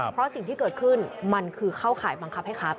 เพราะสิ่งที่เกิดขึ้นมันคือเข้าข่ายบังคับให้ค้า